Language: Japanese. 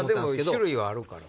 種類はあるから。